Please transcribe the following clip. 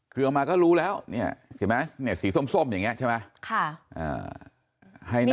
เกลือมาก็รู้แล้วเห็นไหมสีส้มอย่างนี้ใช่ไหม